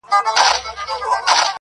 باطل پرستو په مزاج ډېره تره خه یم کنې,